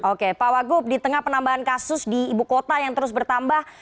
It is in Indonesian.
oke pak wagub di tengah penambahan kasus di ibu kota yang terus bertambah